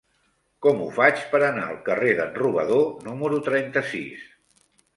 Com ho faig per anar al carrer d'en Robador número trenta-sis?